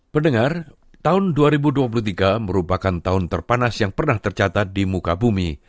pendengar tahun dua ribu dua puluh tiga merupakan tahun terpanas yang pernah tercatat di muka bumi